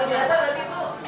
kita lihat sendiri di lapangan